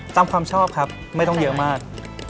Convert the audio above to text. ความชอบครับไม่ต้องเยอะมาก